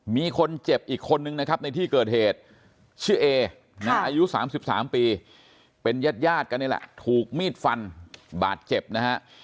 มีคนเจ็บอีกคนนึงนะครับในที่เกิดเหตุชื่อเอนะอายุ๓๓ปีเป็นญาติกันนี่แหละถูกมีดฟันบาดเจ็บนะฮะ